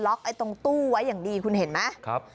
ตรงตู้ไว้อย่างดีคุณเห็นไหม